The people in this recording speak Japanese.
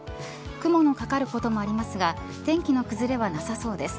雲のかかることもありますが天気の崩れはなさそうです。